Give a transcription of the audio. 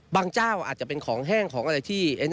เจ้าอาจจะเป็นของแห้งของอะไรที่